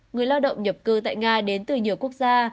người lao động nhập cư tại nga đến từ nhiều quốc gia